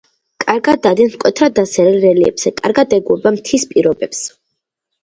კარგად დადის მკვეთრად დასერილ რელიეფზე, კარგად ეგუება მთის პირობებს.